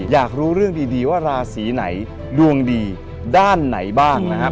อยากรู้เรื่องดีว่าราศีไหนดวงดีด้านไหนบ้างนะครับ